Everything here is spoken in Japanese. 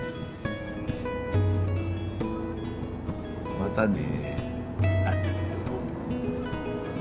またね。